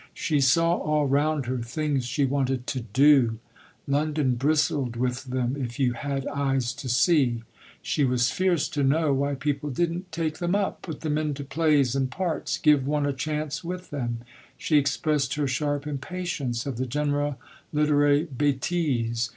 She saw all round her things she wanted to "do" London bristled with them if you had eyes to see. She was fierce to know why people didn't take them up, put them into plays and parts, give one a chance with them; she expressed her sharp impatience of the general literary bétise.